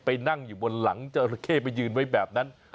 ไปนั่งอยู่บนหลังจราเข้ไปยืนไว้แบบนั้น